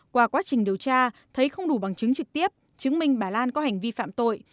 qua quá trình điều tra thấy không đủ bằng chứng trực tiếp chứng minh bà lan có hành vi phạm tội